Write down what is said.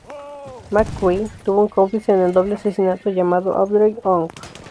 McCrea tuvo un cómplice en el doble asesinato, llamado Audrey Ong.